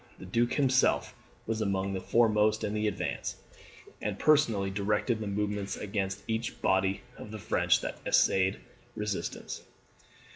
The Duke himself was among the foremost in the advance, and personally directed the movements against each body of the French that essayed resistance.